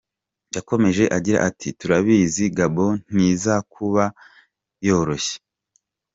Yakomeje agira ati “Turabizi Gabon ntiza kuba yoroshye.